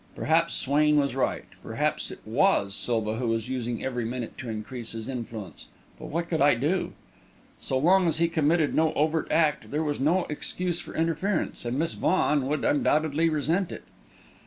Perhaps Swain was right perhaps it was Silva who was using every minute to increase his influence; but what could I do? So long as he committed no overt act, there was no excuse for interference, and Miss Vaughan would undoubtedly resent it.